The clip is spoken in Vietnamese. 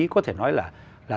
có thể nói là